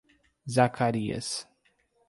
Zacarias